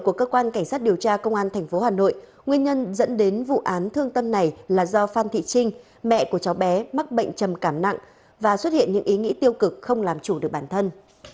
vào khoảng tám h sáng ngày ba mươi một tháng tám năm hai nghìn một mươi bảy nguyên nhân dẫn đến vụ án thương tâm này là do phan thị trinh mẹ của cháu bé mắc bệnh trầm cảm nặng và xuất hiện những ý nghĩ tiêu cực không làm chủ được bản thân